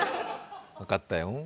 分かったよ。